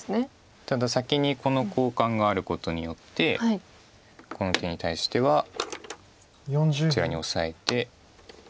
ただ先にこの交換があることによってこの手に対してはこちらにオサえて。